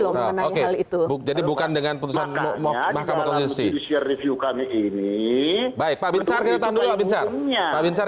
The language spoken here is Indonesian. loh mengenai hal itu bukti bukan dengan putusan makam makam diskusi review kami ini baik pabinsar